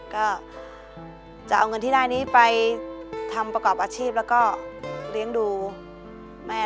ก็จะเอาเงินที่ได้นี้ไปทำประกอบอาชีพแล้วก็เลี้ยงดูแม่